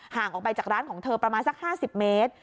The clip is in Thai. ห่างออกไปจากร้านของเธอประมาณสัก๕๐เมตร